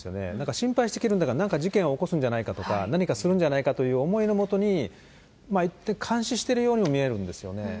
心配してるんだか、何か事件を起こすんじゃないかとか、何かするんじゃないかという思いのもとに、監視しているようにも見えるんですよね。